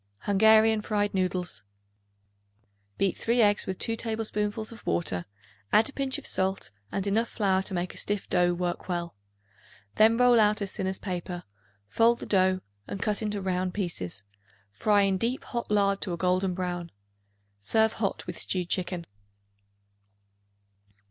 Hungarian Fried Noodles. Beat 3 eggs with 2 tablespoonfuls of water; add a pinch of salt and enough flour to make a stiff dough work well. Then roll out as thin as paper; fold the dough and cut into round pieces; fry in deep hot lard to a golden brown. Serve hot with stewed chicken.